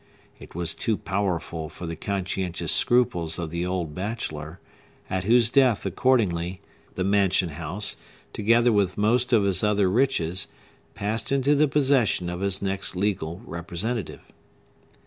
It was too powerful for the conscientious scruples of the old bachelor; at whose death, accordingly, the mansion house, together with most of his other riches, passed into the possession of his next legal representative.